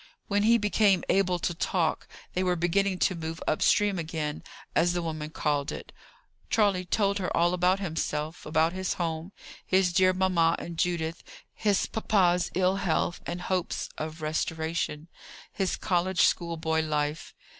When he became able to talk, they were beginning to move up stream again, as the woman called it. Charley told her all about himself, about his home, his dear mamma and Judith, his papa's ill health, and hopes of restoration, his college schoolboy life.